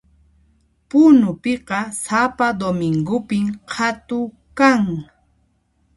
Punupiqa sapa domingopin qhatu kan